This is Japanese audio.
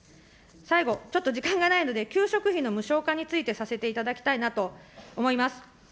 最後、ちょっと時間がないので給食費の無償化についてさせていただきたいなと思います。